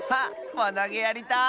わなげやりたい！